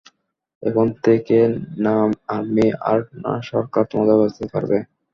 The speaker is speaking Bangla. এখন থেকে, না আর্মি আর না সরকার তোমাদের বাঁচাতে পারবে।